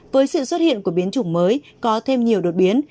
với sự xuất hiện của biến chủng mới có thêm nhiều đột biến